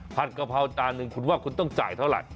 กะเพราจานหนึ่งคุณว่าคุณต้องจ่ายเท่าไหร่